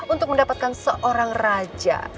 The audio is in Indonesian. untuk mendapatkan seorang raja